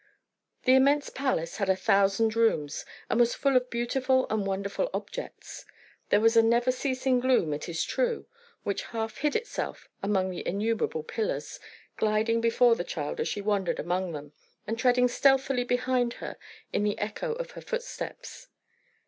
The immense palace had a thousand rooms, and was full of beautiful and wonderful objects. There was a never ceasing gloom, it is true, which half hid itself among the innumerable pillars, gliding before the child as she wandered among them, and treading stealthily behind her in the echo of her footsteps.